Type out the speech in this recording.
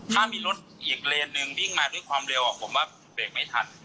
ถ้ามีรถอีกเลนนึงวิ่งมาด้วยความเร็วผมว่าเบรกไม่ทัน